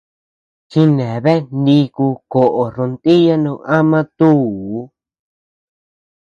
Chineabea niku koʼo rontiya no ama túu.